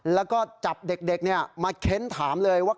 แล้วก็จับเด็กมาเค้นถามเลยว่า